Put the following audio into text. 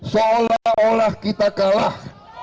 seolah olah kita kalah